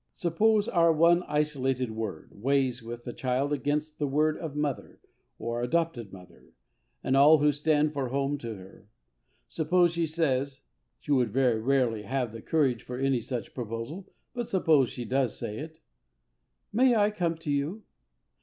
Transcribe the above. Suppose our one isolated word weighs with the child against the word of mother or adopted mother, and all who stand for home to her; suppose she says (she would very rarely have the courage for any such proposal, but suppose she does say it): "May I come to you?